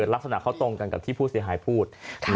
ลักษณะเขาตรงกันกับที่ผู้เสียหายพูด